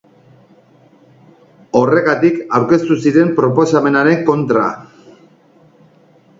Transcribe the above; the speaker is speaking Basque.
Horregatik aurkeztu ziren proposamenaren kontra.